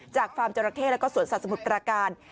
จากฟาร์มเจอร์ราเค่แล้วก็สวนสัตว์สมุทรประการ